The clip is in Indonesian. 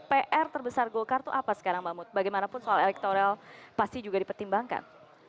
pr terbesar golkar itu apa sekarang mbak mut bagaimanapun soal elektoral pasti juga dipertimbangkan